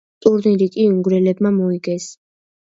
ტურნირი კი უნგრელებმა მოიგეს.